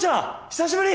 久しぶり！